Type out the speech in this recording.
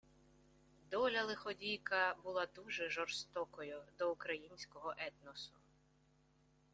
Доля-лиходійка була дуже жорстокою до українського етносу